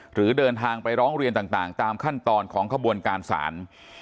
หรือเดินทางไปร้องเรียนต่างตามขั้นตอนของขบวนการศาล